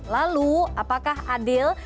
lalu apakah adil